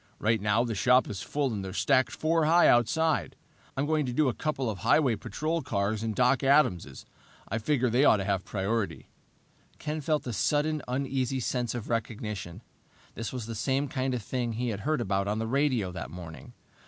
Right now the shop is full and they're stacked four high outside. I'm going to do a couple of highway patrol cars and Doc Adams'. I figured they ought to have priority." Ken felt a sudden, uneasy sense of recognition. This was the same kind of thing he had heard about on the radio that morning!